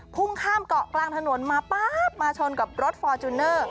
พุ่งข้ามเกาะกลางถนนมาป๊าบมาชนกับรถฟอร์จูเนอร์